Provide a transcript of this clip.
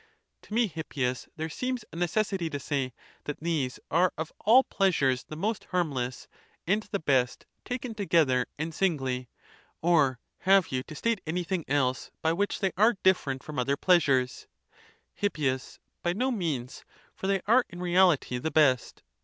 [54.] To me, Hippias, there seems a necessity to say, that these are of all pleasures the most harmless,? and the best, taken together and singly. Or have you to state any thing else, by which they are different from other pleasures ? Hip. By no means: for they are in reality the best.